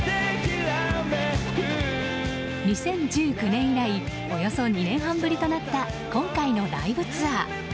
２０１９年以来およそ２年半ぶりとなった今回のライブツアー。